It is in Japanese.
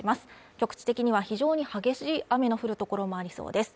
局地的には非常に激しい雨の降るところもありそうです